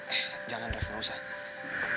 eh jangan ref gak usah